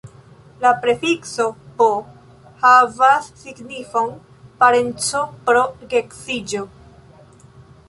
La prefikso bo- havas signifon "parenceco pro geedziĝo".